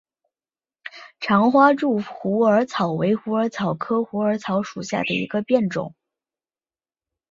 长花柱虎耳草为虎耳草科虎耳草属下的一个变种。